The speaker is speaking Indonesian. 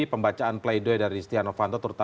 pembacaan play doh dari stiano fanto